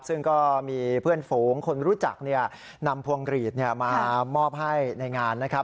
ซึ่งก็มีเพื่อนฝูงคนรู้จักนำพวงกรีดมามอบให้ในงานนะครับ